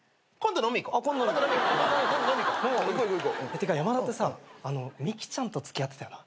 ってかヤマダってさミキちゃんと付き合ってたよな？